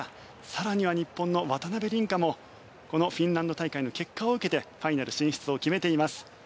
更には日本の渡辺倫果もこのフィンランド大会の結果を受けてファイナル進出を決めています。